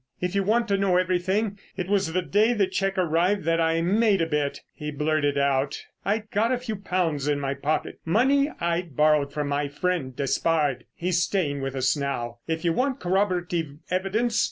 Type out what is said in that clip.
"If you want to know everything, it was the day the cheque arrived that I made a bit," he blurted out. "I'd got a few pounds in my pocket, money I'd borrowed from my friend Despard. He's staying with us now. If you want corroborative evidence.